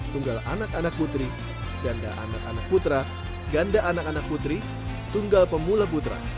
tunggal anak anak putri ganda anak anak putra ganda anak anak putri tunggal pemula putra